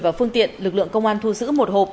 và phương tiện lực lượng công an thu giữ một hộp